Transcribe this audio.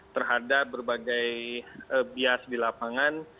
terhadap berbagai bias di lapangan